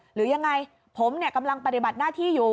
หรือยังไงผมเนี่ยกำลังปฏิบัติหน้าที่อยู่